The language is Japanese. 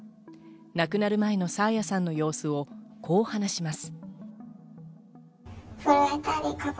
亡くなる前の爽彩さんの様子をこう話します。